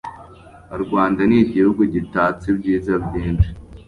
U Rwanda ni igihugu gitatse ibyiza byinshi